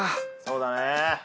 そうだね。